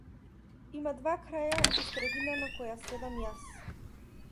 Има два краја и средина на која седам јас.